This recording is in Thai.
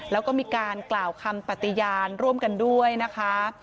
แล้วก็มีการกล่าวคำปฏิญาณร่วมกันด้วยนะคะ